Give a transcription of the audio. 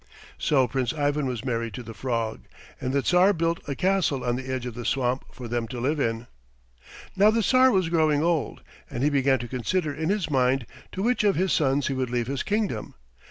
So Prince Ivan was married to the frog, and the Tsar built a castle on the edge of the swamp for them to live in. Now the Tsar was growing old, and he began to consider in his mind to which of his sons he would leave his kingdom.